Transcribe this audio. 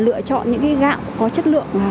lựa chọn những cái gạo có chất lượng